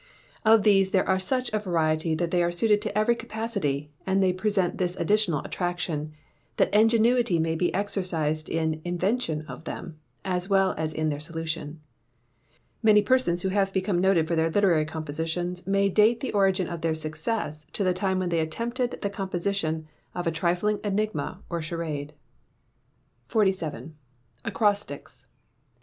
Of these there are such a variety, that they are suited to every capacity; and they present this additional attraction, that ingenuity may be exercised in the invention of them, as well as in their solution. Many persons who have become noted for their literary compositions may date the origin of their success to the time when they attempted the composition of a trifling enigma or charade. 47. Acrostics.